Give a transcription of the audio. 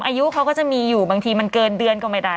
อายุเขาก็จะมีอยู่บางทีมันเกินเดือนก็ไม่ได้